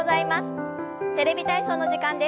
「テレビ体操」の時間です。